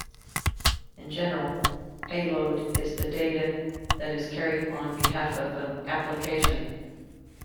In general, payload is the data that is carried on behalf of an application.